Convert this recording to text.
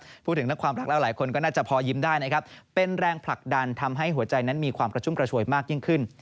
ถ้าพูดถึงนักความรักแล้วหลายคนก็น่าจะพอยิ้มได้นะครับเป็นแรงผลักดันทำให้หัวใจนั้นมีความกระชุ่มกระชวยมากยิ่งขึ้น